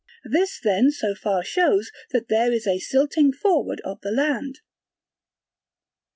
This then so far shows that there is a silting forward of the land.